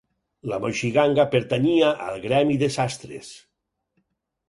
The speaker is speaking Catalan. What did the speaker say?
La moixiganga pertanyia al gremi de sastres.